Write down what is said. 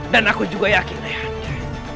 dan aku juga yakin yanda